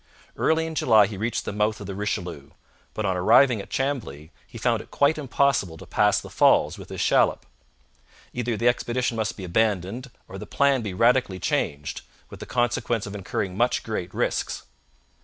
Early in July he reached the mouth of the Richelieu, but on arriving at Chambly he found it quite impossible to pass the falls with his shallop. Either the expedition must be abandoned or the plan be radically changed, with the consequence of incurring much greater risks.